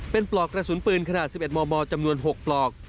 เป็นปลอกกระสุนปืนขนาด๑๑มมจำนวน๖ปลอก